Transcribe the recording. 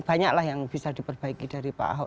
banyaklah yang bisa diperbaiki dari pak ahok